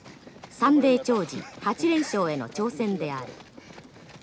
サンデー兆治８連勝への挑戦である。